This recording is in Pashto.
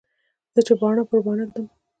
زه چې باڼه پر باڼه ږدم.